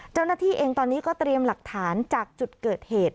เจ้าหน้าที่เองตอนนี้ก็เตรียมหลักฐานจากจุดเกิดเหตุ